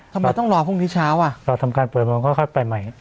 ทำไมต้องรอพรุ่งนี้เช้าอ่ะรอทำการเปิดโมงค่อยไปใหม่